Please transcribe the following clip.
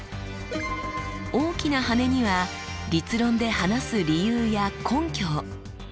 大きな羽には立論で話す理由や根拠を。